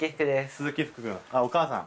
鈴木福君お母さん。